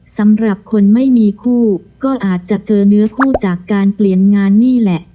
สำหรับคนไม่มีคู่ก็อาจจะเจอเนื้อคู่จากการเปลี่ยนงานนี่แหละ